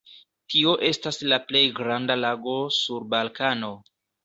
Tio estas la plej granda lago sur Balkano.